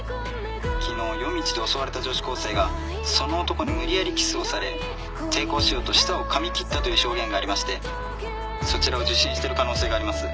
☎昨日夜道で襲われた女子高生がその男に無理やりキスをされ抵抗しようと舌をかみ切ったという証言がありましてそちらを受診してる可能性があります。